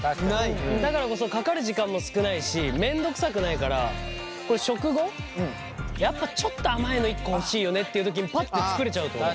だからこそかかる時間も少ないし面倒くさくないからこれ食後やっぱちょっと甘いの１個欲しいよねっていう時にパッて作れちゃうと思う。